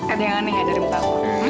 ada yang aneh aneh dari muka aku